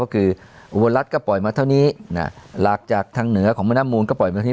ก็คือโวลัสก็ปล่อยมาเท่านี้หลากจากทางเหนือของมนุษย์มูลก็ปล่อยมาเท่านี้